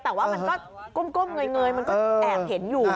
แต่ว่ามันก็ก้มเงยมันก็แอบเห็นอยู่